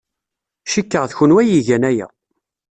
Cikkeɣ d kenwi ay igan aya.